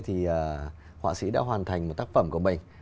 thì họa sĩ đã hoàn thành một tác phẩm của mình